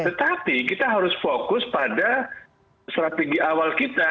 tetapi kita harus fokus pada strategi awal kita